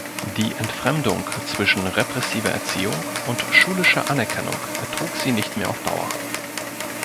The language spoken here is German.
Die Entfremdung zwischen repressiver Erziehung und schulischer Anerkennung ertrug sie nicht mehr auf Dauer.